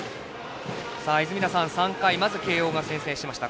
泉田さん、３回まず慶応が先制しました。